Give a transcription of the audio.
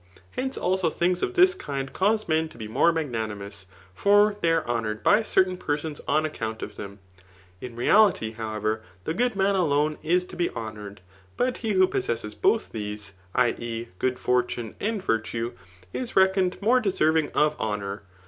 Hence also .things (tf this kind cause men to be more magnammons ; for they are honoured by certain persons on account of them, bi reality, however, the good man alone is to be honoured ; but he who possesses both these, {> e. good £ntune and virtue,] is reckoned more deserving of ho Bour.